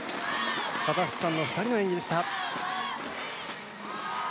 カザフスタンの２人の演技でした。